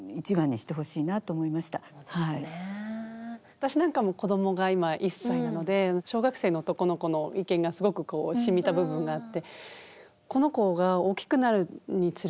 私なんかも子どもが今１歳なので小学生の男の子の意見がすごくしみた部分があって。